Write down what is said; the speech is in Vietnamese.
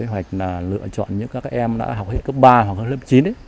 có kế hoạch lựa chọn những các em đã học hết cấp ba hoặc lớp chín